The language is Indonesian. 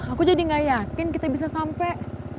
aku jadi gak yakin kita bisa sampai